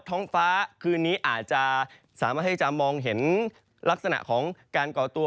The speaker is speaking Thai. ท้องฟ้าคืนนี้อาจจะสามารถให้จะมองเห็นลักษณะของการก่อตัว